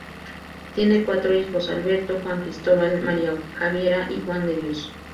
Tiene cuatro hijos: Alberto, Juan Cristóbal, María Javiera y Juan de Dios.